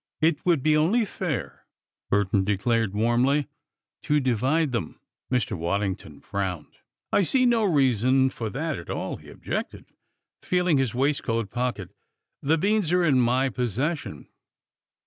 "It would be only fair," Burton declared warmly, "to divide them." Mr. Waddington frowned. "I see no reason for that at all," he objected, feeling his waistcoat pocket. "The beans are in my possession."